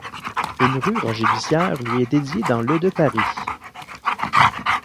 Une rue Roger-Bissière lui est dédiée dans le de Paris.